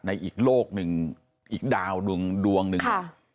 ในอีกโลกนึงอีกดาวดวงนึง